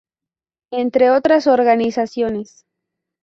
Entre otras organizaciones.